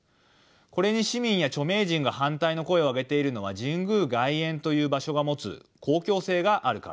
これに市民や著名人が反対の声を上げているのは神宮外苑という場所が持つ公共性があるからです。